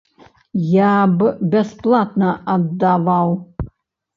Я б бясплатна аддаваў.